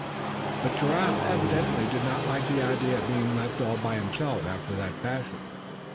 But Giraffe evidently did not like the idea of being left all by himself after that fashion.